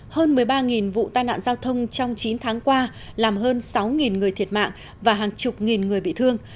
hơn một mươi ba vụ tai nạn giao thông trong chín tháng qua làm hơn sáu người thiệt mạng và hàng chục nghìn người bị thương